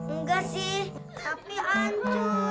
enggak sih tapi hancur